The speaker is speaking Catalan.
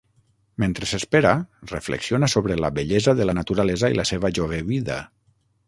Mentre s'espera, reflexiona sobre la bellesa de la naturalesa i la seva jove vida.